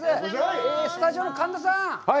スタジオの神田さん！